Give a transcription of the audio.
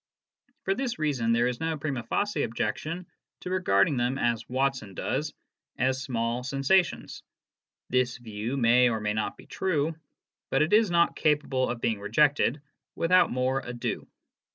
For this reason, there is no primd facie objection to regarding them, as Watson does, as small sensations : this view may or may not be true, but it is not capable of being rejected without more ado.